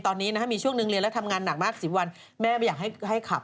ตอนนี้นะฮะมีช่วงหนึ่งเรียนแล้วทำงานหนักมาก๑๐วันแม่ไม่อยากให้ขับ